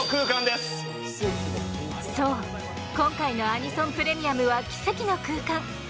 そう今回の「アニソン！プレミアム！」は奇跡の空間。